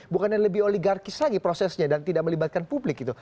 bukannya lebih oligarkis lagi prosesnya dan tidak melibatkan publik gitu